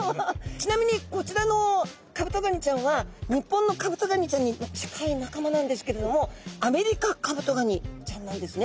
ちなみにこちらのカブトガニちゃんは日本のカブトガニちゃんに近い仲間なんですけれどもアメリカカブトガニちゃんなんですね。